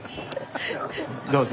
どうぞ。